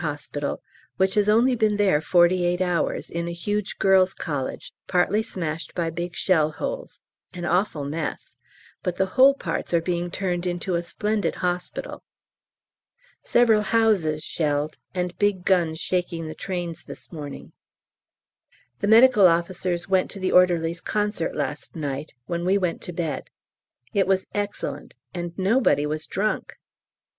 H., which has only been there 48 hours, in a huge Girls' College, partly smashed by big shell holes, an awful mess, but the whole parts are being turned into a splendid hospital. Several houses shelled, and big guns shaking the train this morning. The M.O.'s went to the Orderlies' Concert last night, when we went to bed. It was excellent, and nobody was drunk!